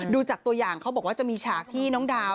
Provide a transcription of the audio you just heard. ดูจากตัวอย่างเขาบอกว่าจะมีฉากที่น้องดาว